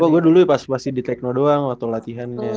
gue dulu pasti di tekno doang waktu latihan